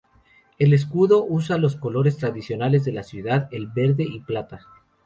El escudo usa los colores tradicionales de la ciudad, el verde y plata.